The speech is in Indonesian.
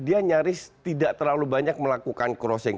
dia nyaris tidak terlalu banyak melakukan crossing